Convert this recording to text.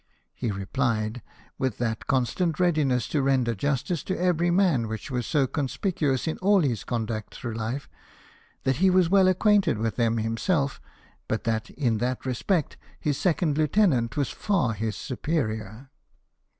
He replied, with that constant readiness to render justice to every man, which was so conspicuous in all his conduct through life, that he was well acquainted with them himself^ but that in that respect his second lieutenant was far his superior.